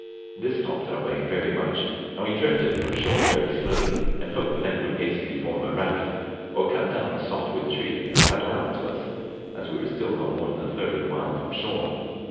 This stopped our way very much, and we drifted from shore very slowly, and hoped the men would hastily form a raft, or cut down a soft wood tree, and paddle out, to us, as we were still not more than a third of a mile from shore.